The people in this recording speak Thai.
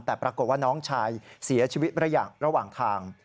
แต่ปรากฏว่าน้องชายเสียชีวิตระหว่างทาง